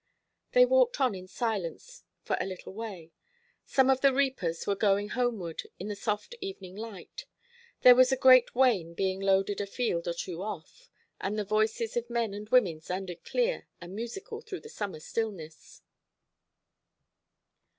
They walked on in silence for a little way. Some of the reapers were going homeward in the soft evening light; there was a great wain being loaded a field or two off, and the voices of men and women sounded clear and musical through the summer stillness.